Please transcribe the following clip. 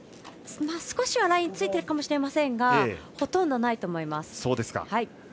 少しはラインついてるかもしれませんがほとんどないと思います。